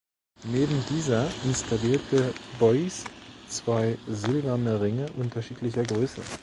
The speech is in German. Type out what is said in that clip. Neben dieser installierte Beuys zwei silberne Ringe unterschiedlicher Größe.